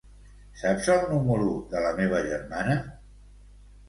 Saps el número de la meva germana?